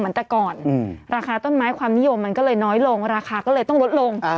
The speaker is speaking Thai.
เหมือนแต่ก่อนราคาต้นไม้ความนิยมมันก็เลยน้อยลงราคาก็เลยต้องลดลง